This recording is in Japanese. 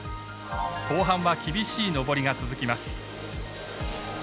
後半は厳しい上りが続きます。